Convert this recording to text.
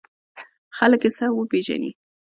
خلک یې سم وپېژني.